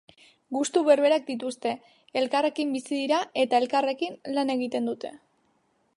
Gustu berberak dituzte, elkarrekin bizi dira eta elkarrekin lan egiten dute.